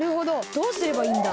どうすればいいんだ？